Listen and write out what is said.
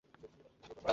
বল আমাকে চিনিস।